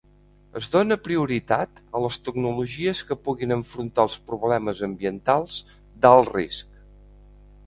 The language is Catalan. Es dóna prioritat a les tecnologies que puguin enfrontar els problemes ambientals d'alt risc.